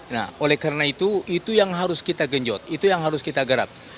nah oleh karena itu itu yang harus kita genjot itu yang harus kita garap